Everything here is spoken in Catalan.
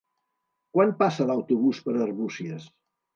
Quan passa l'autobús per Arbúcies?